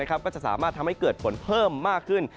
ก็จะสามารถทำให้เกิดฝนเพิ่มมากขึ้น